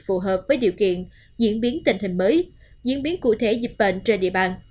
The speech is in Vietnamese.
phù hợp với điều kiện diễn biến tình hình mới diễn biến cụ thể dịch bệnh trên địa bàn